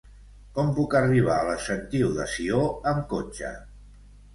Com puc arribar a la Sentiu de Sió amb cotxe?